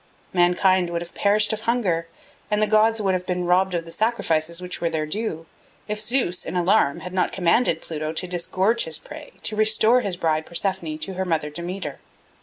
Mankind would have perished of hunger and the gods would have been robbed of the sacrifices which were their due, if Zeus in alarm had not commanded Pluto to disgorge his prey, to restore his bride Persephone to her mother Demeter.